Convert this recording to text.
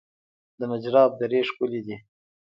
د نجراب درې ښکلې دي